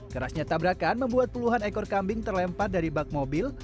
kerasnya tabrakan membuat puluhan ekor kambing terlempar dari bak mobil